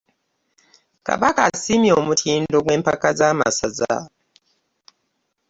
Kabaka asiimye omutindo gw'empaka z'amasaza.